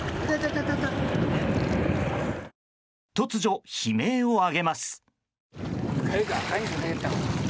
突如、悲鳴を上げます。